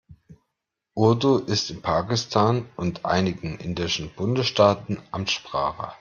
Urdu ist in Pakistan und einigen indischen Bundesstaaten Amtssprache.